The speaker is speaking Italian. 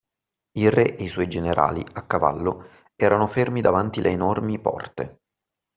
Il Re e i suoi generali, a cavallo, erano fermi davanti le enormi porte